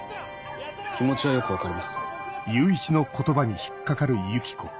気持ちはよく分かります。